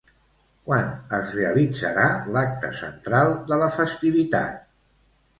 Quan es realitzarà l'acte central de la festivitat?